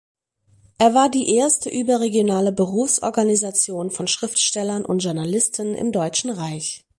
Er war die erste überregionale Berufsorganisation von Schriftstellern und Journalisten im Deutschen Reich.